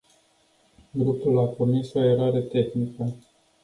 Grupul a comis o eroare tehnică.